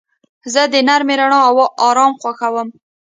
زه د نرمې رڼا آرام خوښوم.